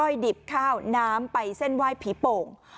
หญิงบอกว่าจะเป็นพี่ปวกหญิงบอกว่าจะเป็นพี่ปวก